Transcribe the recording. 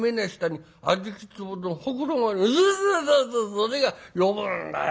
それが呼ぶんだよ。